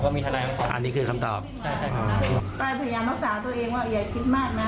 มีทนายมาสอนอันนี้คือคำตอบใช่ใช่ครับป้าพยายามรักษาตัวเองว่าอย่าคิดมากนะ